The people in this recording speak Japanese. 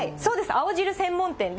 青汁専門店で。